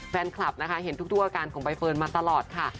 แฟนคลับนะคะเห็นทุกอาการของใบเฟิร์นมาตลอดค่ะ